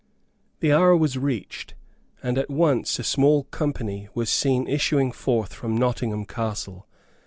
The hour was reached, and at once a small company was seen issuing forth from Nottingham Castle.